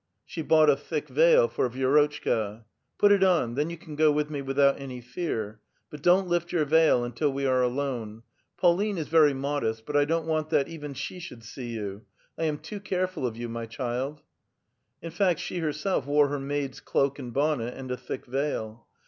She bought a thick veil for Vi^rotchka. " Put it on ; then you can go with me without an^' fear. But don't lift your veil until we are alone ! Pauline is very modest, but I don't want that even she should see you. I am too careful of 3'ou, my cTiild !" In fact she herself wore her maid's cloak and bonnet and a thick veil.